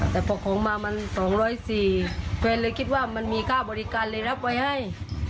แต่พอของมามัน๒๐๔แฟนเลยคิดว่ามันมีค่าบริการเลยรับไว้ให้